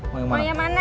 mau yang mana